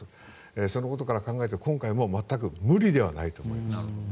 そのことから考えて今回も全く無理ではないと思います。